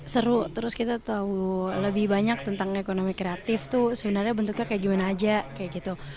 seru terus kita tahu lebih banyak tentang ekonomi kreatif tuh sebenarnya bentuknya kayak gimana aja kayak gitu